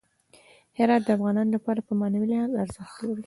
هرات د افغانانو لپاره په معنوي لحاظ ارزښت لري.